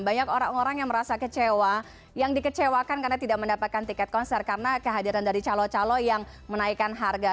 banyak orang orang yang merasa kecewa yang dikecewakan karena tidak mendapatkan tiket konser karena kehadiran dari calon calon yang menaikkan harga